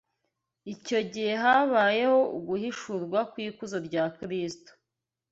Icyo gihe habayeho uguhishurwa kw’ikuzo rya Kristo